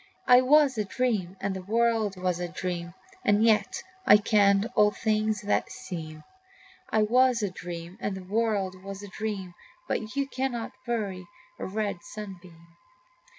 I was a dream, and the world was a dream, And yet I kenned all things that seem. I was a dream, and the world was a dream, But you cannot bury a red sunbeam.